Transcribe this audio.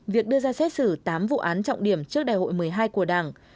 việc đưa ra xét xử tám vụ án trọng điểm trước đại hội một mươi hai của đảng